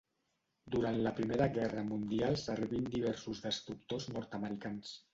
Durant la Primera Guerra Mundial serví en diversos destructors nord-americans.